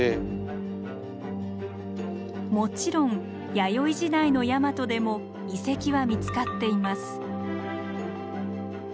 もちろん弥生時代のヤマトでも遺跡は見つかっています。